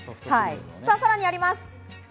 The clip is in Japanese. さらにあります。